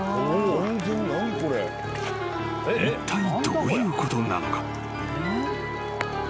［いったいどういうことなのか？］